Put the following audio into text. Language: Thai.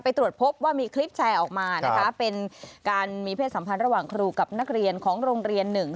ตรวจพบว่ามีคลิปแชร์ออกมานะคะเป็นการมีเพศสัมพันธ์ระหว่างครูกับนักเรียนของโรงเรียนหนึ่ง